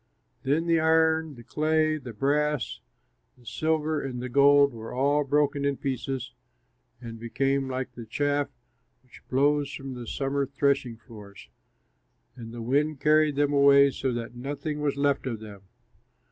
Then the iron, the clay, the brass, the silver, and the gold were all broken in pieces and became like the chaff which blows from the summer threshing floors, and the wind carried them away so that nothing was left of them.